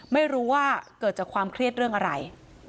ไม่รู้ว่าเกิดจากความเครียดเรื่องอะไร